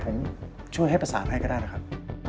ผมช่วยให้ประสานให้ก็ได้นะครับ